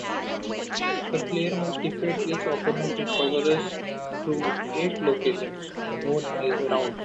The player must defeat each opponent to progress through eight locations, known as rounds.